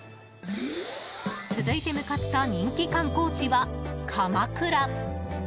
続いて向かった人気観光地は鎌倉。